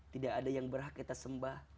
tidak ada yang berhak kita sembah